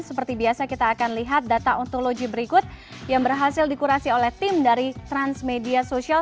seperti biasa kita akan lihat data ontologi berikut yang berhasil dikurasi oleh tim dari transmedia social